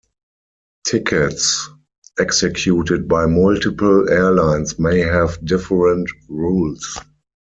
Tickets executed by multiple airlines may have different rules.